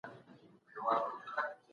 د دوی دليل د الله تعالی پدغه قول دی.